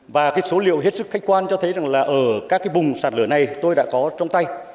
và cái số liệu hết sức khách quan cho thấy rằng là ở các cái bùng sạt lửa này tôi đã có trong tay